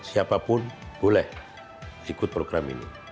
siapapun boleh ikut program ini